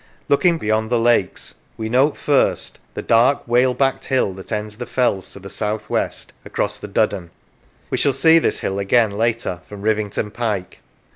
Looking beyond the lakes, we note first the dark whale backed hill that ends the fells to the south west, across the Duddon; we shall see this hill again later from Rivington Pike.